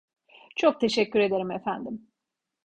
Çok teşekkür ederim efendim.